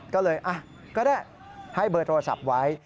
ก็เลยก็ได้ให้เบอร์โทรศัพท์ไว้